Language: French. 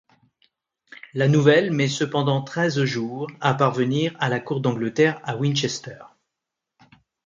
La nouvelle met cependant treize jours à parvenir à la cour d'Angleterre à Winchester.